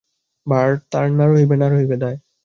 ভার তার না রহিবে, না রহিবে দায়।